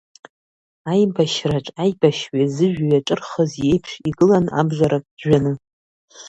Аибашьраҿ аибашьҩы зыжәҩа ҿырхыз иеиԥш, игылан абжарак ҿжәаны.